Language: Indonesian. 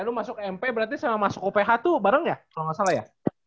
eh lu masuk mp berarti sama masuk oph tuh bareng ya kalo gak salah ya